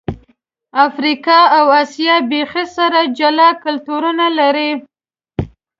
افریقا او آسیا بیخي سره جلا کلتورونه لري.